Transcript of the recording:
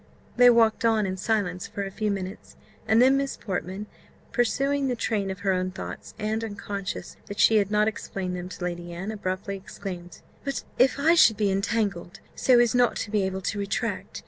They walked on in silence for a few minutes; and then Miss Portman, pursuing the train of her own thoughts, and unconscious that she had not explained them to Lady Anne, abruptly exclaimed, "But if I should be entangled, so as not to be able to retract!